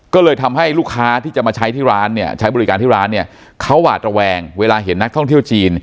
ก็เลยทำให้ลูกค้าที่จะมาใช้บริการที่ร้านเขาอาตะแวงเวลาเห็นนักท่องเที่ยวจีน